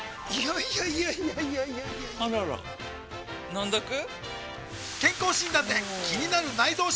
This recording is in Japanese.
いやいやいやいやあらら飲んどく？